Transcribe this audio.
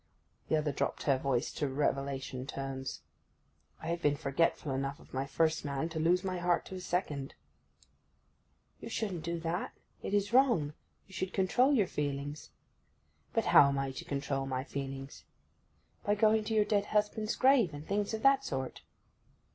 The other dropped her voice to revelation tones: 'I have been forgetful enough of my first man to lose my heart to a second!' 'You shouldn't do that—it is wrong. You should control your feelings.' 'But how am I to control my feelings?' 'By going to your dead husband's grave, and things of that sort.